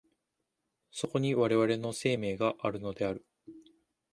そこに我々の生命があるのである。